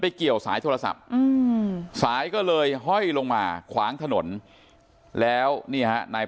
ไปเกี่ยวสายโทรศัพท์สายก็เลยไห้ลงมาขวางถนนแล้วนี้นาย